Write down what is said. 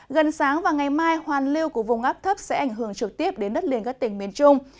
gần sáng và ngày mai hoàn lưu của vùng áp thấp sẽ ảnh hưởng trực tiếp đến đất liền các tỉnh miền trung